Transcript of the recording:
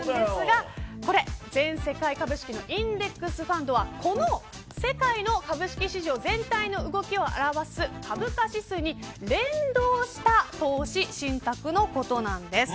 これ、全世界株式のインデックスファンドはこの世界の株式市場全体の動きを表す株価指数に連動した投資信託のことなんです。